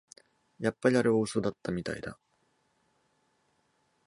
やっぱりあれ大うそだったみたいだ